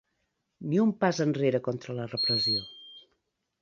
Ni un pas enrere contra la repressió!